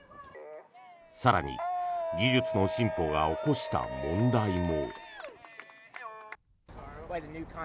更に技術の進歩が起こした問題も。